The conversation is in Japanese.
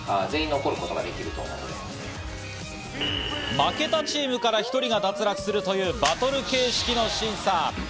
負けたチームから１人が脱落するというバトル形式の審査。